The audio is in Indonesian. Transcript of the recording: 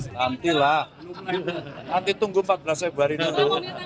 nanti lah nanti tunggu empat belas februari dulu